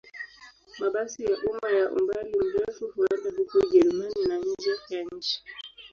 Mabasi ya umma ya umbali mrefu huenda huko Ujerumani na nje ya nchi.